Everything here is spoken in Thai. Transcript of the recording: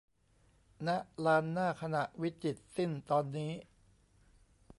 "ณ ลานหน้า ขณะวิจิตรสิ้น ตอนนี้"